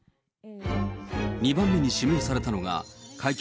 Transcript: ２番目に指名されたのが、会見